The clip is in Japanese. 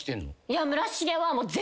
いや村重は。